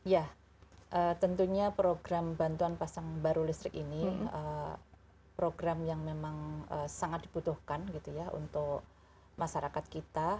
ya tentunya program bantuan pasang baru listrik ini program yang memang sangat dibutuhkan gitu ya untuk masyarakat kita